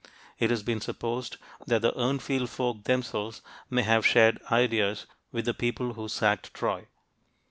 It has been supposed that the Urnfield folk themselves may have shared ideas with the people who sacked Troy.